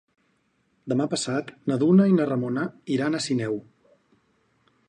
Demà passat na Duna i na Ramona iran a Sineu.